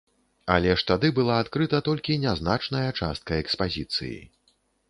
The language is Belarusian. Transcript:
Але ж тады была адкрыта толькі нязначная частка экспазіцыі.